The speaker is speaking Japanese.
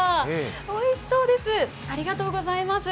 おいしそうです。